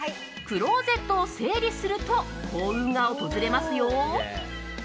クローゼットを整理すると幸運が訪れますよ。